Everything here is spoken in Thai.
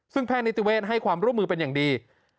ซึ่งแพทย์นิติเวศให้ความร่วมมือเป็นอย่างดี